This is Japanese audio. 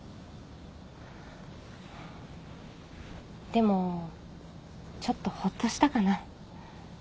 でもちょっとほっとしたかな。